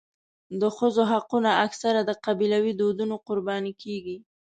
د ښځو حقونه اکثره د قبیلوي دودونو قرباني کېږي.